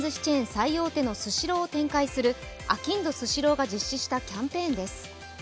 最大手のスシローを展開するあきんどスシローが実施したキャンペーンです。